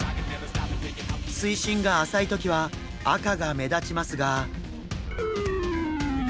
水深が浅い時は赤が目立ちますが。